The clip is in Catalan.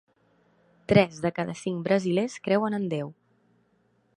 Tres de cada cinc brasilers creuen en Déu.